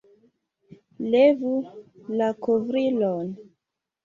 Levu la kovrilon!